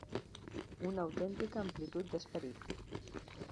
Una autèntica amplitud d'esperit